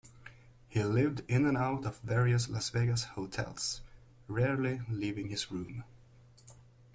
He lived in and out of various Las Vegas hotels, rarely leaving his room.